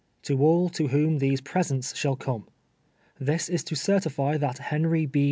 " To all to whom these presents shall come :—'• This is t<D certify that Ilemy B.